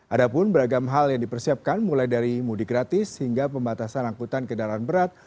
ada pun beragam hal yang dipersiapkan mulai dari mudik gratis hingga pembatasan angkutan kendaraan berat